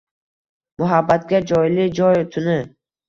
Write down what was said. Muhabbatga joyli-joy tuni